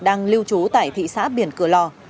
đang lưu trú tại thị xã biển cửa lò